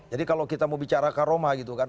jadi kalau kita mau bicara karoma gitu kan